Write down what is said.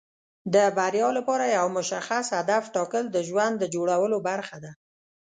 د بریا لپاره یو مشخص هدف ټاکل د ژوند د جوړولو برخه ده.